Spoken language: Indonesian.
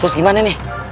terus gimana nih